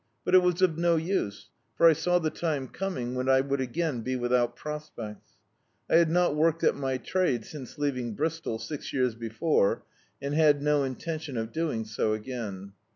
But it was of no use : for I saw the time coming when I would again be without prospects. I had not worked at my trade since leaving Bristol, six years before, and had no intendon of doing so again.